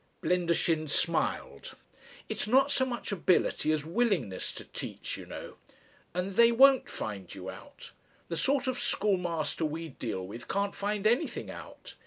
Blendershin smiled. "It's not so much ability as willingness to teach, you know. And they won't find you out. The sort of schoolmaster we deal with can't find anything out.